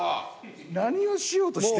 何をしようとしてるの。